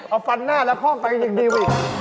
เอาฟันหน้ารักเข้ากันไว้หยิงรีว